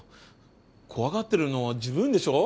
怖がってるのは自分でしょ。